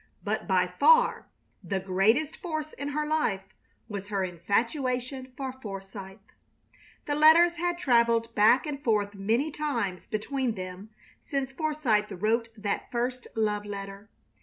But by far the greatest force in her life was her infatuation for Forsythe. The letters had traveled back and forth many times between them since Forsythe wrote that first love letter.